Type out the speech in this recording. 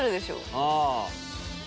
ああ。